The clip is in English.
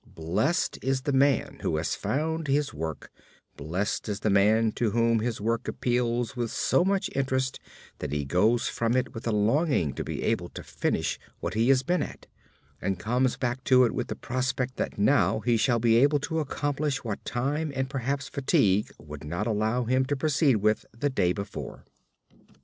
Blessed is the man who has found his work, blessed is the man to whom his work appeals with so much interest that he goes from it with a longing to be able to finish what he has been at, and comes back to it with a prospect that now he shall be able to accomplish what time and perhaps fatigue would not allow him to proceed with the day before.